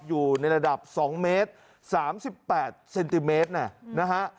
อยู่ในระดับ๒เมตร๓๘เซนติเมตรนะฮะ